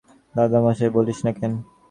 যখন তোর যা কষ্ট হয় তোর দাদামহাশয়কে বলিস না কেন?